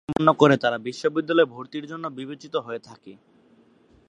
যারা মাধ্যমিক শিক্ষা সম্পূর্ণ করে তারা বিশ্ববিদ্যালয়ে ভর্তির জন্য বিবেচিত হয়ে থাকে।